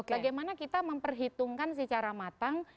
bagaimana kita memperhitungkan secara matang